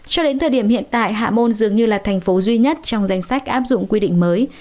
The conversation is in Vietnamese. cho đến thời điểm hiện tại hạ môn dường như là thành phố duy nhất trong danh sách áp dụng quy định mới